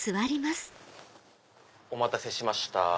お待たせしました。